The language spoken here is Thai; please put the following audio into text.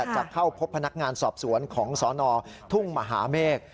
จะเข้าพบพนักงานสอบสวนของสนทุ่งมหาเมฆ